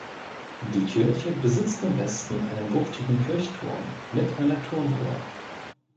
Die Kirche besitzt im Westen einen wuchtigen Kirchturm mit einer Turmuhr.